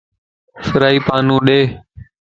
فرائي پانو ڏي